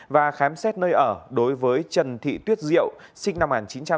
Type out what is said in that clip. và khám xét nơi ở đối với trần thị tuyết diệu sinh năm một nghìn chín trăm tám mươi